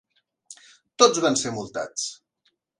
Tots van ser multats.